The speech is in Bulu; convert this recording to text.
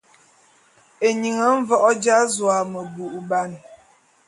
Eying mvoé dza zu a meboubane.